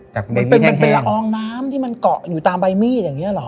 มันเป็นละอองน้ำที่มันเกาะอยู่ตามใบมีดอย่างนี้หรอ